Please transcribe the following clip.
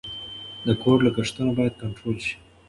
د کور لګښتونه باید کنټرول شي.